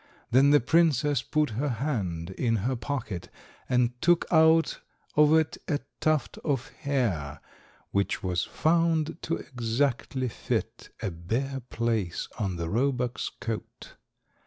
Then the princess put her hand in her pocket and took out of it a tuft of hair which was found to exactly fit a bare place on the roebuck's coat.